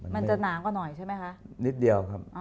มันจะหนากว่าหน่อยใช่ไหมคะนิดเดียวครับ